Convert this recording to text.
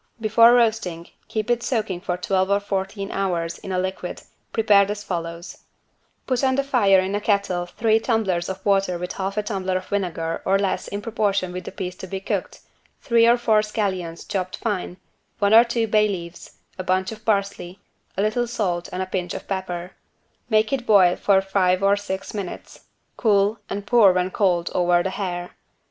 Before roasting keep it soaking for twelve or fourteen hours in a liquid prepared as follows: put on the fire in a kettle three tumblers of water with half a tumbler of vinegar or less in proportion with the piece to be cooked, three of four scallions chopped fine, one or two bay leaves, a bunch of parsley, a little salt and a pinch of pepper; make it boil for five or six minutes, cool and pour when cold over the hare.